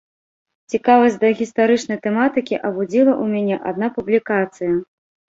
Цікавасць да гістарычнай тэматыкі абудзіла ў мяне адна публікацыя.